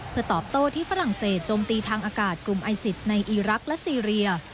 เพื่อตอบโต้ที่ฝรั่งเศสจมตีทางอากาศกลุ่มไอซิสในอีรักษ์และซีเรีย